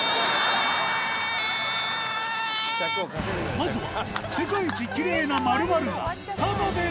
まずは。